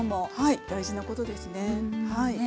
大事なことですね。